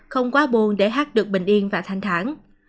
không quá buồn để hát được bình yên và thanh thản